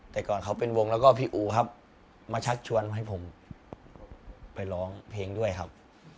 แต่ก่อนเขาเป็นวงแล้วก็พี่อูครับมาชักชวนมาให้ผมไปร้องเพลงด้วยครับ